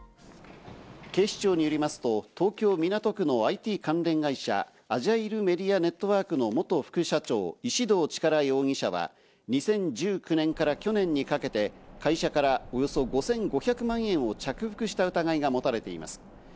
警視庁によりますと、東京・港区のＩＴ関連会社、アジャイルメディア・ネットワークの元副社長・石動力容疑者は２０１９年から去年にかけて、会社からおよそ５５００万円を着服した疑いがもたれています。